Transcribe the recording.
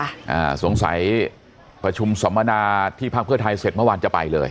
อ่าสงสัยประชุมสมนาที่พักเพื่อไทยเสร็จเมื่อวานจะไปเลย